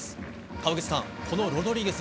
川口さん、このロドリゲス。